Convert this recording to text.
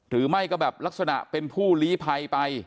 หรือไม่ก็แบบลักษณะเป็นผู้ลีภัยไป